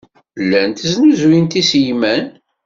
Llant snuzuyent iselman.